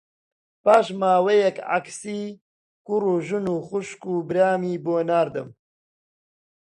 پاش ماوەیەک عەکسی کوڕ و ژن و خوشک و برامی بۆ ناردم